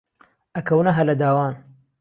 ئەکەونە هەلە داوان